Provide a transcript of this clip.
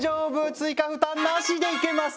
追加負担なしでいけます！